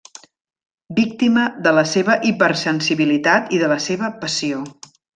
Víctima de la seva hipersensibilitat i de la seva passió.